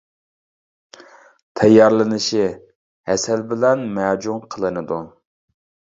تەييارلىنىشى : ھەسەل بىلەن مەجۈن قىلىنىدۇ.